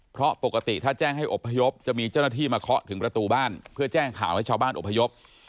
เพราะปกติถ้าแจ้งให้อบพยพจะมีเจ้าหน้าที่มาเคาะถึงประตูบ้านเพื่อแจ้งข่าวให้ชาวบ้านอบพยพ